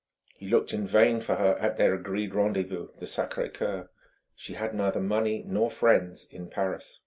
He looked in vain for her at their agreed rendezvous, the Sacré Coeur. She had neither money nor friends in Paris.